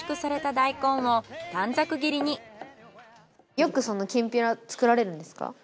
よくきんぴら作られるんですか？